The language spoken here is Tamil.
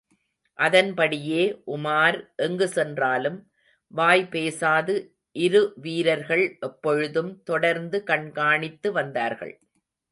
அதன்படியே, உமார் எங்கு சென்றாலும், வாய்பேசாது இருவீரர்கள் எப்பொழுதும், தொடர்ந்து கண்காணித்து வந்தார்கள்.